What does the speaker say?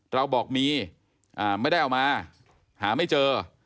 เราบอกมีไม่ได้เอามาหาไม่เจอ